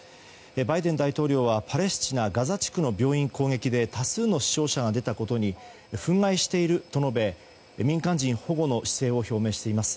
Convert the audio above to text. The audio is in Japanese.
バイデン大統領はパレスチナガザ地区の病院攻撃で多数の死傷者が出たことに憤慨していると述べ民間人保護の姿勢を表明しています。